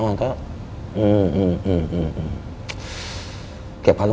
แล้วมันก็